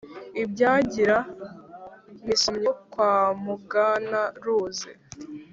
I Byagira-misomyo kwa Mugana-ruzi